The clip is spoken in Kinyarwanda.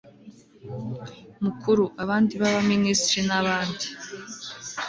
mukuru. abandi ba minisitiri n'abandi